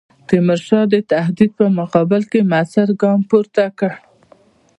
تیمورشاه د تهدید په مقابل کې موثر ګام پورته کړ.